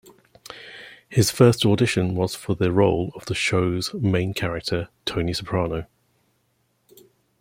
His first audition was for the role of the show's main character, Tony Soprano.